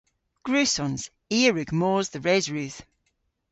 Gwrussons. I a wrug mos dhe Resrudh.